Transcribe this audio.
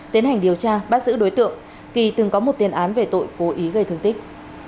tiến hành điều tra bắt giữ đối tượng kỳ từng có một tiền án về tội cố ý gây thương tích